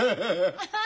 アハハハ！